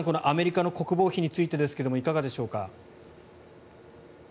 アメリカの国防費についてですがいかがでしょうか？